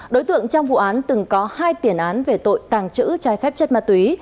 đối tượng trong vụ án từng có hai tiền án về tội tàng trữ trái phép chất ma túy